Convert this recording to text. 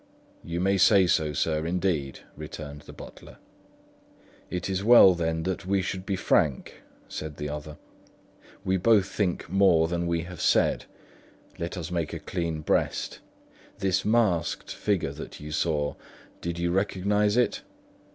"You may say so, sir, indeed," returned the butler. "It is well, then that we should be frank," said the other. "We both think more than we have said; let us make a clean breast. This masked figure that you saw, did you recognise it?"